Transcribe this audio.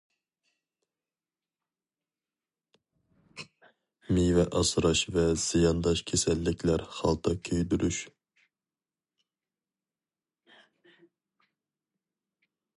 مېۋە ئاسراش ۋە زىيانداش كېسەللىكلەر خالتا كىيدۈرۈش.